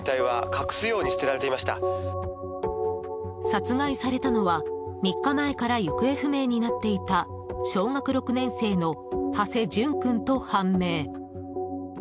殺害されたのは３日前から行方不明になっていた小学６年生の土師淳君と判明。